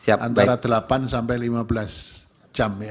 antara delapan sampai lima belas